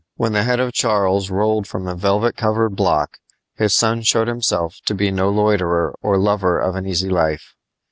When the head of Charles rolled from the velvet covered block his son showed himself to be no loiterer or lover of an easy life.